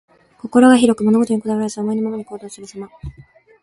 心が広く、物事にこだわらず、思いのままに行動するさま。